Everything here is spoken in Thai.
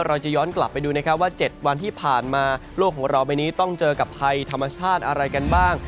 เราจะย้อนกลับไปดูนะครับว่า๗วันที่ผ่านมาโลกของเราใบนี้ต้องเจอกับภัยธรรมชาติอะไรกันบ้าง